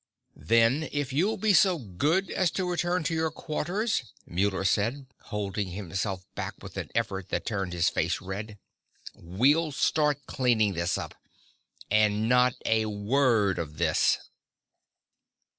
"Then if you'll be so good as to return to your own quarters," Muller said, holding himself back with an effort that turned his face red, "we'll start clearing this up. And not a word of this."